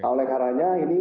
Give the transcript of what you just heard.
oleh karanya ini